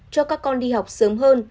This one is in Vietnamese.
cho các con đi học sớm hơn